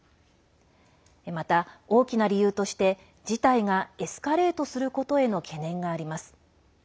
また、大きな理由として自体がエスカレートすることへの懸念があります。